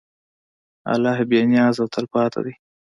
الله بېنیاز او تلپاتې دی.